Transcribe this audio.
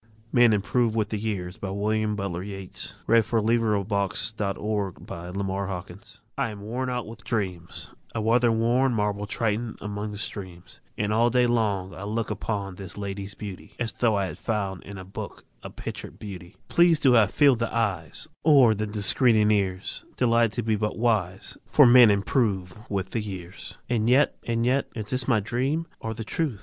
s Men Improve With The Years By William Butler Yeats I am worn out with dreams; A weather worn, marble triton Among the streams; And all day long I look Upon this ladyÆs beauty As though I had found in book A pictured beauty, Pleased to have filled the eyes Or the discerning ears, Delighted to be but wise, For men improve with the years; And yet and yet Is this my dream, or the truth?